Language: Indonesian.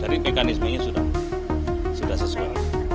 jadi mekanismenya sudah sesuai